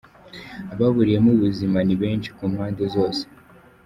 Ababuriyemo ubuzima ni benshi ku mpande zose.